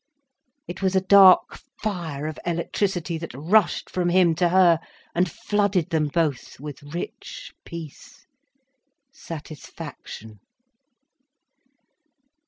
It was a dark fire of electricity that rushed from him to her, and flooded them both with rich peace, satisfaction.